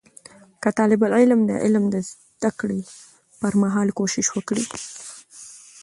که طالب العلم د علم د زده کړې پر مهال کوشش وکړي